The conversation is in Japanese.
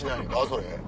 それ。